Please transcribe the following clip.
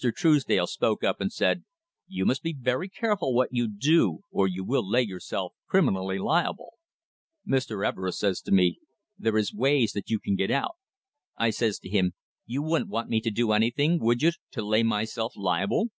Truesdale spoke up and said, 'You must be very careful what you do or you will lay yourself criminally liable.' Mr. Everest says to me, 'There is ways that you can get out.' I says to him, 'You wouldn't want me to do anything, would you, to lay myself liable?'